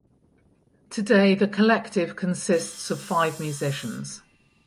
Today the collective consists of five musicians.